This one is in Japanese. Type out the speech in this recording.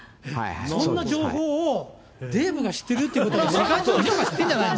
そんな情報をデーブが知ってるっていうことが。